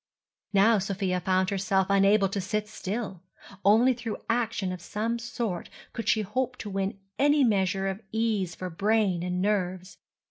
Now Sofia found herself unable to sit still; only through action of some sort could she hope to win any measure of ease for brain and nerves.